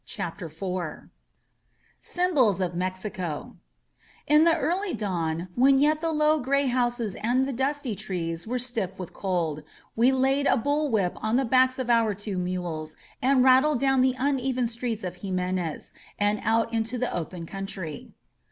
CHAPTER IV SYMBOLS OP MEXICO IN the early dawn, when yet the low gray houses and the dusty trees were stiff with cold, we laid a bull whip on the backs of our two mules and rattled down the uneven streets of Jimenez and out into the open country.